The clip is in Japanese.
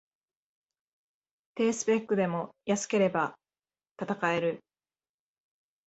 低スペックでも安ければ戦える